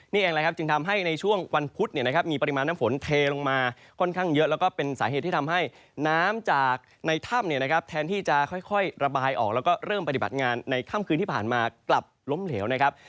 นี่เองแหละครับจึงทำให้ในช่วงวันพุธมีปริมาณน้ำฝนเทลงมาค่อนข้างเยอะแล้วก็เป็นสาเหตุที่ทำให้น้ำจากในถ้ำเนี่ยนะครับแทนที่จะค่อยระบายออกแล้วก็เริ่มปฏิบัติงานในค่ำคืนที่ผ่านมากลับล้มเหลวนะครับ